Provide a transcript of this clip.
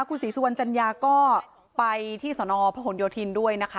คุณศรีสุวรรณจัญญาก็ไปที่สนพหนโยธินด้วยนะคะ